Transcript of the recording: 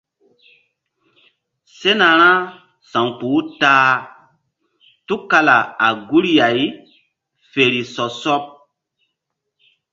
Sena ra sa̧wkpuh u ta a tukala a guri ay fe ri sɔ sɔɓ.